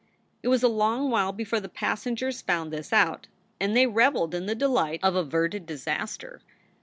It was a long while before the passengers found this out, and they reveled in the delight of averted disaster.